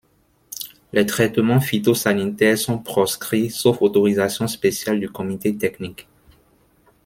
Les traitements phytosanitaires sont proscrits sauf autorisation spéciale du comité technique.